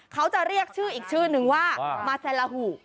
เขาจะเรียกชื่ออีกชื่อนึงว่ามาแซลาหู